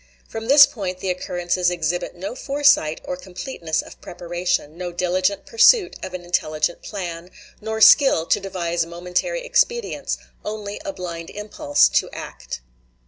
From this point the occurrences exhibit no foresight or completeness of preparation, no diligent pursuit of an intelligent plan, nor skill to devise momentary expedients; only a blind impulse to act.